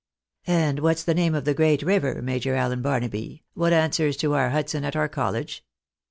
" And what's the name of the great river. Major Allen Barnaby, what answers to our Hudson at our college